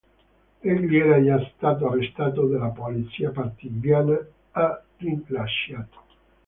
Egli era già stato arrestato dalla Polizia partigiana e rilasciato.